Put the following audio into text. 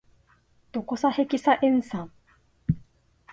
ドコサヘキサエン酸